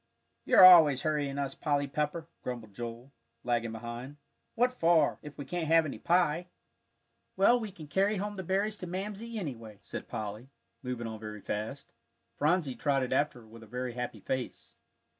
"You're always hurrying us, Polly Pepper," grumbled Joel, lagging behind. "What for, if we can't have any pie?" "Well, we can carry home the berries to Mamsie, anyway," said Polly, moving on very fast. Phronsie trotted after her with a very happy face.